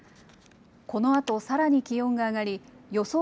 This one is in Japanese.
このあとさらに気温が上がり予想